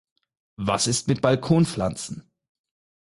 Was ist mit Balkonpflanzen?